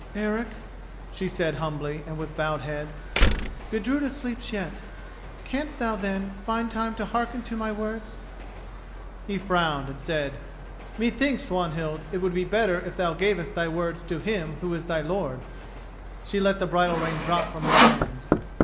"Eric," she said humbly and with bowed head, "Gudruda sleeps yet. Canst thou, then, find time to hearken to my words?" He frowned and said: "Methinks, Swanhild, it would be better if thou gavest thy words to him who is thy lord." She let the bridle rein drop from her hands.